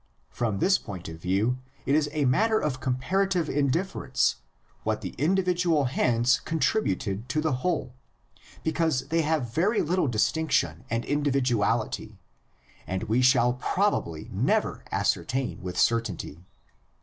From this point of view it is a matter of comparative indiffer ence what the individual hands contributed to the whole, because they have very little distinction and individuality, and we shall probably never ascertain with certainty.